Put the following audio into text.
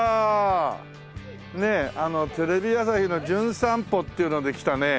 ねえあのテレビ朝日の『じゅん散歩』っていうので来たね